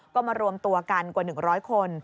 ก็มารวมตัวกันกว่า๑๐๐คน